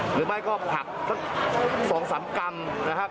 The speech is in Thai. หรือไม่ก็ผักสัก๒๓กรัมนะครับ